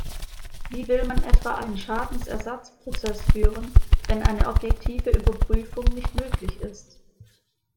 Wie will man etwa einen Schadenersatzprozess führen, wenn eine objektive Überprüfung nicht möglich ist?